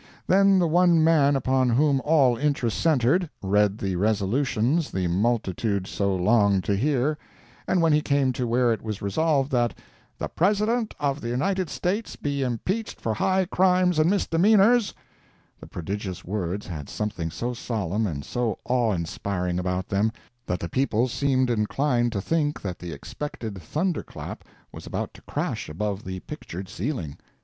Then the one man upon whom all interest centered, read the resolutions the multitude so longed to hear; and when he came to where it was resolved that "The President of the United States be impeached for high crimes and misdemeanors," the prodigious words had something so solemn and so awe inspiring about them that the people seemed inclined to think that the expected thunder clap was about to crash above the pictured ceiling!